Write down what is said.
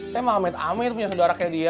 saya mah amit amit punya sodara kayak dia